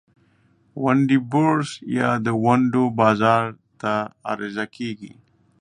ونډې بورس یا د ونډو بازار ته عرضه کیږي.